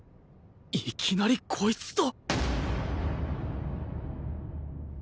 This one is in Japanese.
いきなりこいつと！？